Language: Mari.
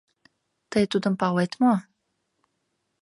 Тый тудым палет мо?